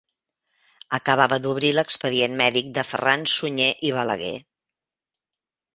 Acabava d'obrir l'expedient mèdic de Ferran Sunyer i Balaguer.